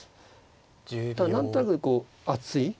ただ何となくこう厚い。